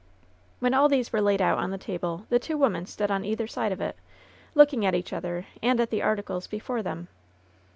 When all these were laid out on the table the two women stood on either side of it, looking at each other and at the articles before them.